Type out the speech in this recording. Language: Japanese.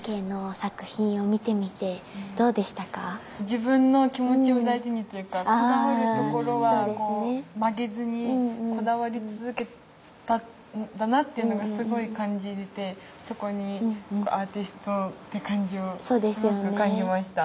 自分の気持ちを大事にというかこだわるところは曲げずにこだわり続けたんだなっていうのがすごい感じれてそこにアーティストって感じをすごく感じました。